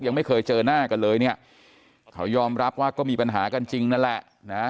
ยังไม่เคยเจอหน้ากันเลยเนี่ยเขายอมรับว่าก็มีปัญหากันจริงนั่นแหละนะ